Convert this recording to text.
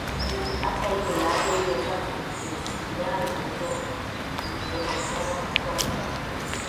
Hata hivyo lahaja hizo tatu zinasikilizana zikitofautiana katika lafudhi